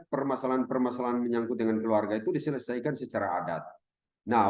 permasalahan permasalahan menyangkut dengan keluarga itu diselesaikan secara adat